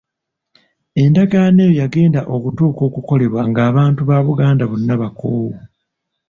Endagaano eyo yagenda okutuuka okukolebwa ng'abantu ba Buganda bonna bakoowu.